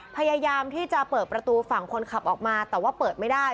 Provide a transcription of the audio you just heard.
พยายามที่จะเปิดประตูฝั่งคนขับออกมาแต่ว่าเปิดไม่ได้